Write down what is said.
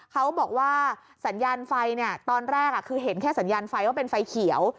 เขาบอกว่าสัญญาณไฟตอนแรกคือเห็นแค่สัญญาณไฟว่าเป็นไฟเขียว